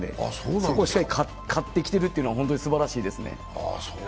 そこをしっかり勝ってきているというのは本当にすばらしいですね。